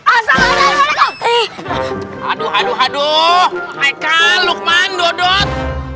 assalamualaikum aduh aduh aduh ayo ka lukman dodot